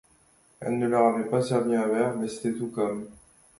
On ne leur avait pas servi un verre mais c’était tout comme !